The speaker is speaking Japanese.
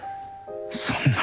そんな